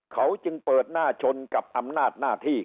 เขาจึงเปิดหน้าชนกับอำนาจหน้าที่